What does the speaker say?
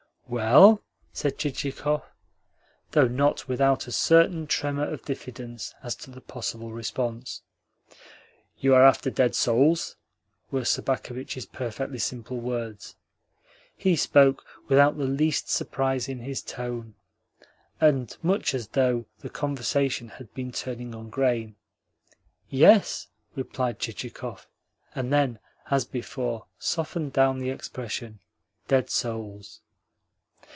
"Well?" said Chichikov though not without a certain tremor of diffidence as to the possible response. "You are after dead souls?" were Sobakevitch's perfectly simple words. He spoke without the least surprise in his tone, and much as though the conversation had been turning on grain. "Yes," replied Chichikov, and then, as before, softened down the expression "dead souls."